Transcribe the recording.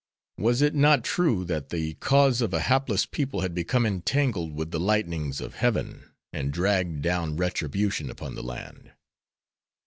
Was it not true that the cause of a hapless people had become entangled with the lightnings of heaven, and dragged down retribution upon the land?